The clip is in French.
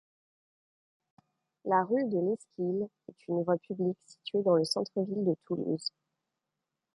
La rue de l'Esquile est une voie publique située dans le centre-ville de Toulouse.